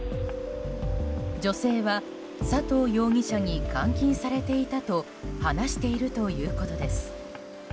女性は佐藤容疑者に監禁されていたと話しているということです。